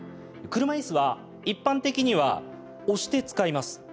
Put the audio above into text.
車いすは一般的には押して使います。